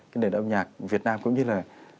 cái nền âm nhạc việt nam cũng như là